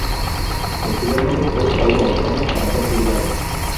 Posteriormente fue extraditado a España para ser juzgado.